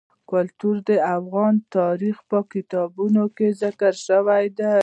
کلتور د افغان تاریخ په کتابونو کې ذکر شوی دي.